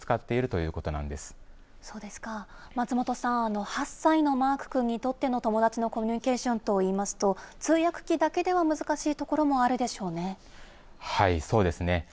そうですか、松本さん、８歳のマーク君にとっての友達のコミュニケーションといいますと、通訳機だけでは難しいところもあるそうですね。